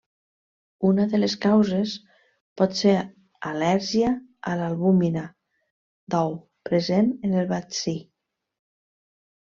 Una de les causes pot ser al·lèrgia a l'albúmina d'ou present en el vaccí.